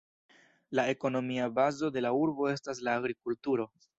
La ekonomia bazo de la urbo estas la agrikulturo.